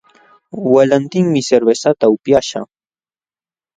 Walantinmi cervezata upyaśhaq